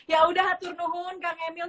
ya udah haturnuhun kang emul